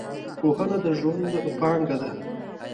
پوهنه د ژوند پانګه ده .